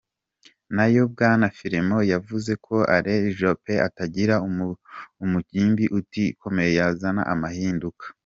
Nayo bwan Fillon yavuze ko Alain Juppe atagira umugimbi itomoye yozana amahinduka.